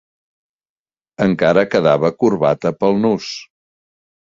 Encara quedava corbata pel nus